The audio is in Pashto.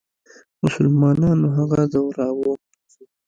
مسلمانانو هغه ځوراوه.